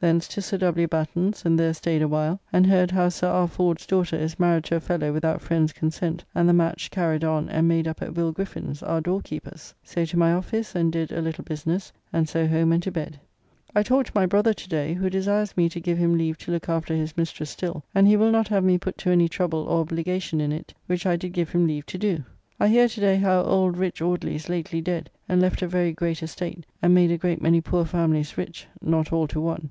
Thence to Sir W. Batten's, and there staid awhile and heard how Sir R. Ford's daughter is married to a fellow without friends' consent, and the match carried on and made up at Will Griffin's, our doorkeeper's. So to my office and did a little business, and so home and to bed. I talked to my brother to day, who desires me to give him leave to look after his mistress still; and he will not have me put to any trouble or obligation in it, which I did give him leave to do. I hear to day how old rich Audley is lately dead, and left a very great estate, and made a great many poor familys rich, not all to one.